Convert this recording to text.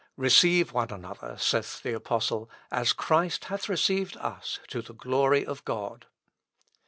Receive one another, saith the Apostle, as Christ hath received us to the glory of God.